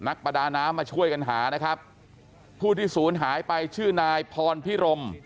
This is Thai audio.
ประดาน้ำมาช่วยกันหานะครับผู้ที่ศูนย์หายไปชื่อนายพรพิรม